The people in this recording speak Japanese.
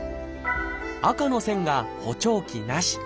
赤の線が補聴器なし